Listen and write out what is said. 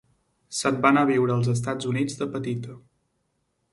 Se'n va anar a viure als Estats Units de petita.